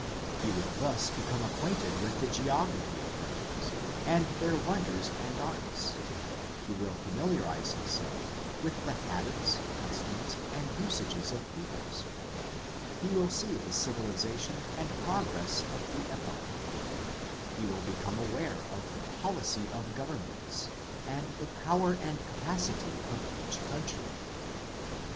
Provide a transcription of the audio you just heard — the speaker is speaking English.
He will thus become acquainted with the geography of countries, and their wonders and arts ; he will familiarise himself with the habits, customs, and usages of peoples ; he will see the civilisation and progress of the epoch ; he will become aware of the policy of governments, and the power and capacity of each country.